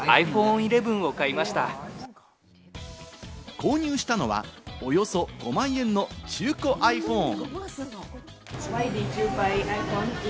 購入したのはおよそ５万円の中古ｉＰｈｏｎｅ。